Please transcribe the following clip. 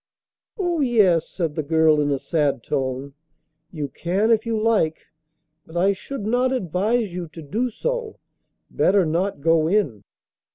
'Oh yes,' said the girl in a sad tone, 'you can if you like, but I should not advise you to do so. Better not go in.